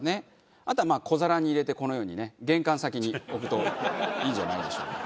あとはまあ小皿に入れてこのようにね玄関先に置くといいんじゃないでしょうか。